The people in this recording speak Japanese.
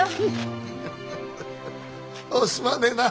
おうすまねえな。